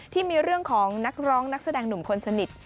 ที่มีเรื่องของนักร้องนักแสดงหนุ่มคนสนิท